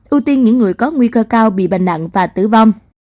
ưu tiên những người có nguy cơ cao bị bệnh nặng và tử vong